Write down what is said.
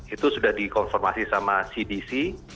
itu sudah dikonformasi sama cdc